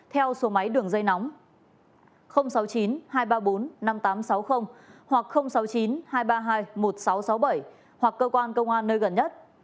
theo số máy đường dây nóng sáu mươi chín hai trăm ba mươi bốn năm nghìn tám trăm sáu mươi hoặc sáu mươi chín hai trăm ba mươi hai một nghìn sáu trăm sáu mươi bảy hoặc cơ quan công an nơi gần nhất